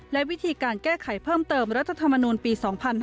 และวิธีการแก้ไขเพิ่มเติมรัฐธรรมนูลปี๒๕๕๙